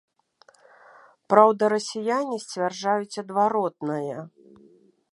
Праўда, расіяне сцвярджаюць адваротнае.